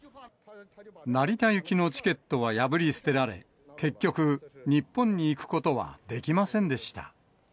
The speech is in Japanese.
成田行きのチケットは破り捨てられ、結局、日本に行くことはできませんでした。